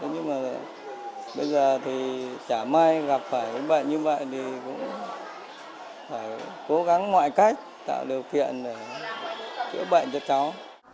nhưng mà bây giờ thì chả may gặp phải những bệnh như vậy thì cũng phải cố gắng mọi cách tạo điều kiện để chữa bệnh cho cháu